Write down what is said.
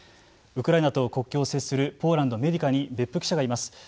ウクライナと国境を接するポーランド・メディカに別府記者がいます。